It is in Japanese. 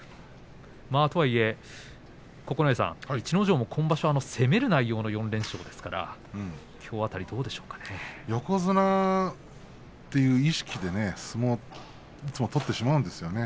とはいえ九重さん、逸ノ城も今場所攻める内容の４連勝ですから横綱という意識で相撲をいつもと、でしまうんですよね。